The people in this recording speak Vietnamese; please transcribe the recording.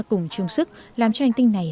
cùng chung sức làm cho hành tinh này